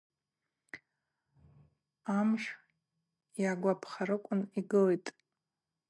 Амшв йагвапхарыквын йгылитӏ.